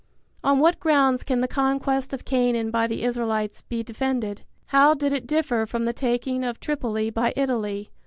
On what grounds can the conquest of Canaan by the Israelites be defended? How did it differ from the taking of Tripoli by Italy?